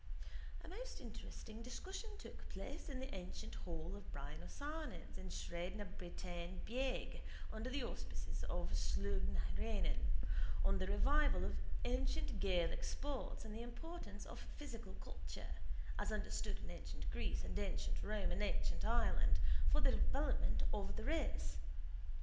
A most interesting discussion took place in the ancient hall of Brian O'Ciarnain's in Sraid na Bretaine Bheag, under the auspices of Sluagh na h Eireann, on the revival of ancient Gaelic sports and the importance of physical culture, as understood in ancient Greece and ancient Rome and ancient Ireland, for the development of the race.